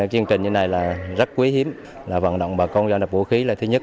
chương trình như này là rất quý hiếm là vận động bà con giao nộp vũ khí là thứ nhất